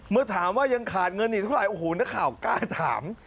เมื่อถามว่ายังขาดเงินอีกเท่าไหร่โอ้โหนักข่าวกล้าถาม